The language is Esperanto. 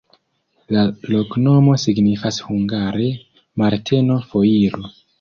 La loknomo signifas hungare: Marteno-foiro.